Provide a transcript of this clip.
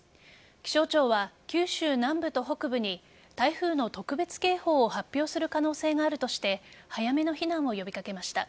気象庁は九州南部と北部に台風の特別警報を発表する可能性があるとして早めの避難を呼び掛けました。